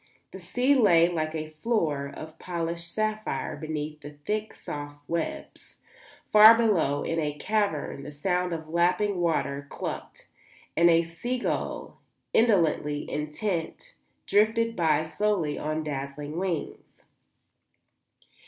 The sea lay like a floor of polished sapphire beneath the thick, soft webs. Far below, in a cavern, the sound of lapping water clucked, and a sea gull, indolently intent, drifted by slowly on dazzling wings.